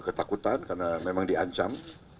ketakutan karena memang di ancam